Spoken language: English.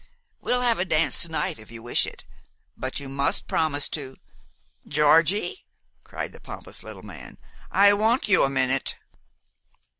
We'll have a dance to night if you wish it; but you must promise to " "Georgie," cried the pompous little man, "I want you a minute!"